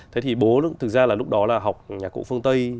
thế thì bố thực ra là lúc đó là học nhạc cụ phương tây